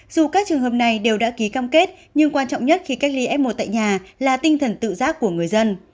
dù các trường hợp này đều đã ký cam kết nhưng quan trọng nhất khi cách ly f một tại nhà là tinh thần tự giác của người dân